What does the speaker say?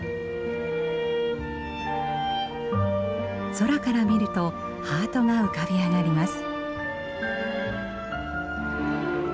空から見るとハートが浮かび上がります。